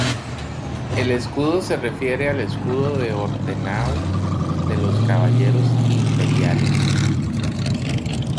El escudo se refiere al escudo de Ortenau de los caballeros imperiales.